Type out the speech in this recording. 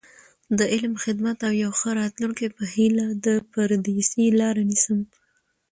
د علم، خدمت او یو ښه راتلونکي په هیله، د پردیسۍ لاره نیسم.